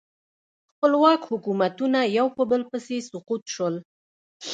خپلواک حکومتونه یو په بل پسې سقوط شول.